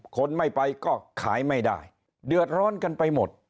คนไม่ไปก็ขายไม่ได้เดือดร้อนกันไปหมด